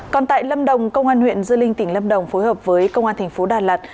còn tại lâm đồng công an huyện dư linh tỉnh lâm đồng phối hợp với công an thành phố đà lạt